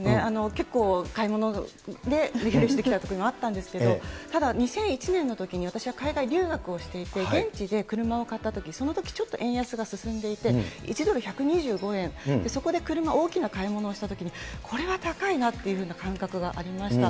結構、買い物でリフレッシュできたときもあったんですけど、ただ、２００１年のときに私は海外留学をしていて、現地で車を買ったとき、そのときちょっと円安が進んでいて、１ドル１２５円、そこで車、大きな買い物をしたときに、これは高いなっていうふうな感覚がありました。